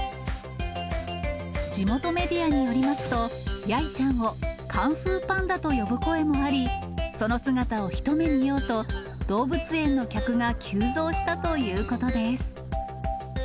地元メディアによりますと、ヤイちゃんをカンフーパンダと呼ぶ声もあり、その姿を一目見ようと、動物園の客が急増したということです。